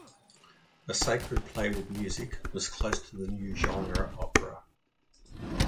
A sacred play with music was close to the new genre opera.